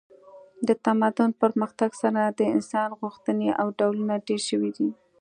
د تمدن پرمختګ سره د انسان غوښتنې او ډولونه ډیر شوي دي